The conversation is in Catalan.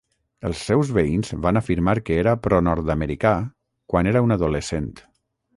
Els seus veïns van afirmar que era pronord-americà quan era un adolescent.